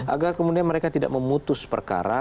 agar kemudian mereka tidak memutus perkara